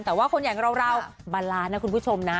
แต่ว่าคนอย่างเราบาลานซ์นะคุณผู้ชมนะ